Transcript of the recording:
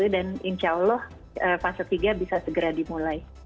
dan insya allah fase tiga bisa segera dimulai